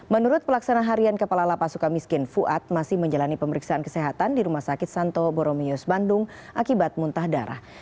menurut pelaksana harian kepala lapas suka miskin fuad masih menjalani pemeriksaan kesehatan di rumah sakit santo boromius bandung akibat muntah darah